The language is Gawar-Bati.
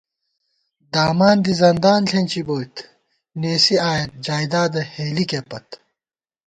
داماندی زندان ݪېنچِی بوئیت ، نېسِی آئیت جائیدادہ ہېلِکےپت